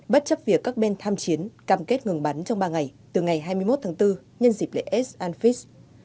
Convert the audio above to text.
bất chấp việc các bên tham chiến cam kết ngừng bắn trong ba ngày từ ngày hai mươi một tháng bốn nhân dịp lễ s anfice